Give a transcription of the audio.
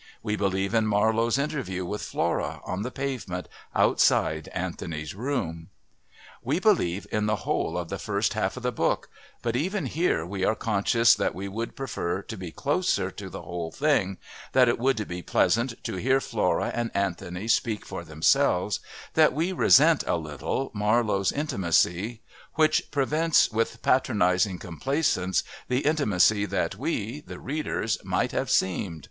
We believe in Marlowe's interview with Flora on the pavement outside Anthony's room. We believe in the whole of the first half of the book, but even here we are conscious that we would prefer to be closer to the whole thing, that it would be pleasant to hear Flora and Anthony speak for themselves, that we resent, a little, Marlowe's intimacy which prevents, with patronising complaisance, the intimacy that we, the readers, might have seemed.